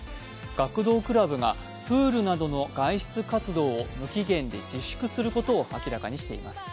学童クラブがプールなどの外出活動を無期限で自粛することを明らかにしています。